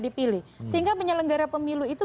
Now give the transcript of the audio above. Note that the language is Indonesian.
dipilih sehingga penyelenggara pemilu itu